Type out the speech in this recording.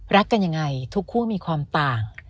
รักกันยังไงทุกคู่มีความต่าง